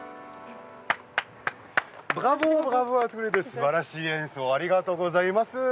すてきな演奏ありがとうございます。